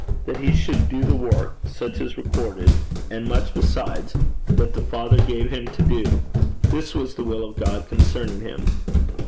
That he should do the work, such as recorded, and much besides, that the Father gave him to do this was the will of God concerning him.